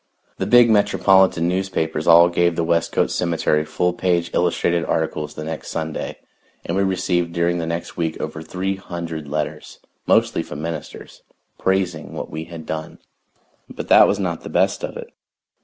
The big metropolitan newspapers all gave the Westcote Cemetery full page illustrated articles the next Sunday, and we received during the next week over three hundred letters, mostly from ministers, praising what we had done. But that was not the best of it.